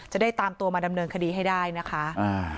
จะได้ตามตัวมาดำเนินคดีให้ได้นะคะอ่า